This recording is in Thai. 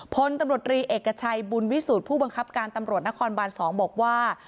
พลตำรวจรีเอกชัยบุญวิสูจน์ผู้บังคับการตำรวจนครบาน๒บอกว่า